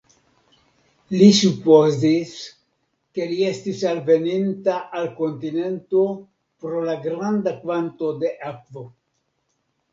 Li supozis, ke li estis alveninta al kontinento pro la granda kvanto de akvo.